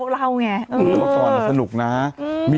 ฟังลูกครับ